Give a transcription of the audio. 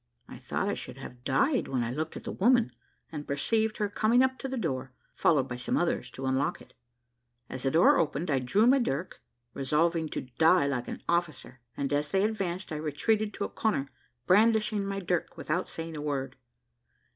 I thought I should have died when I looked at the woman, and perceived her coming up to the door, followed by some others, to unlock it. As the door opened, I drew my dirk, resolving to die like an officer, and as they advanced, I retreated to a corner, brandishing my dirk, without saying a word.